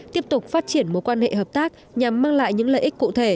tiếp tục phát triển mối quan hệ hợp tác nhằm mang lại những lợi ích cụ thể